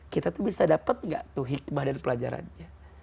kita bisa dapat hikmah dan pelajarannya